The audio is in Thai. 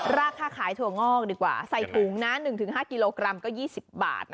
ราคาขายถั่วงอกดีกว่าใส่ถุงนะ๑๕กิโลกรัมก็๒๐บาท